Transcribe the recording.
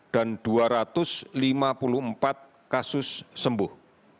dan dua ratus lima puluh empat kasus sembuh